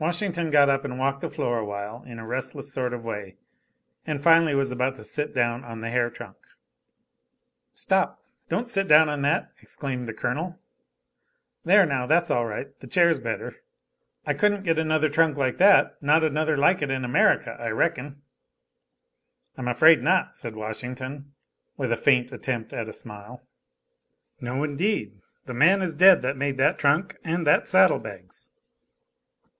Washington got up and walked the floor a while in a restless sort of way, and finally was about to sit down on the hair trunk. "Stop, don't sit down on that!" exclaimed the Colonel: "There, now that's all right the chair's better. I couldn't get another trunk like that not another like it in America, I reckon." "I am afraid not," said Washington, with a faint attempt at a smile. "No indeed; the man is dead that made that trunk and that saddle bags."